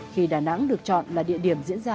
khi đà nẵng được chọn là địa điểm diễn ra